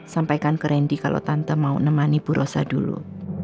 sampaikan ke randy kalau tante mau nemani bu rosa dulu